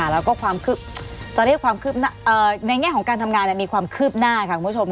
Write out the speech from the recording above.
แล้วก็ในแง่ของการทำงานมีความคืบหน้าคุณผู้ชม